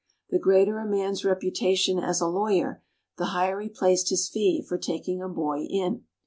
The greater a man's reputation as a lawyer, the higher he placed his fee for taking a boy in.